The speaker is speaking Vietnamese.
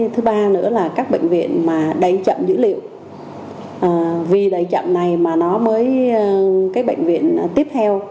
thứ ba nữa là các bệnh viện mà đầy chậm dữ liệu vì đẩy chậm này mà nó mới cái bệnh viện tiếp theo